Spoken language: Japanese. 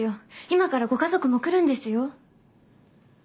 今からご家族も来るんですよ。